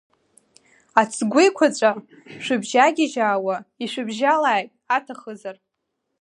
Ацгәы еиқәаҵәа шәыбжьагьыжьаауа ишәыбжьалааит, аҭахызар.